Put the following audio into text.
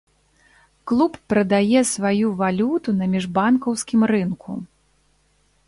Клуб прадае сваю валюту на міжбанкаўскім рынку.